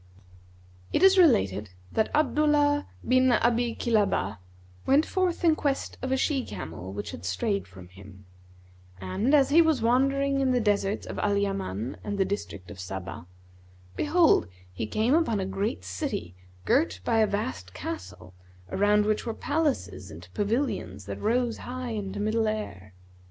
[FN#165] It is related that Abdullah bin Abi Kilбbah went forth in quest of a she camel which had strayed from him; and, as he was wandering in the deserts of Al Yaman and the district of Sabб,[FN#166] behold, he came upon a great city girt by a vast castle around which were palaces and pavilions that rose high into middle air.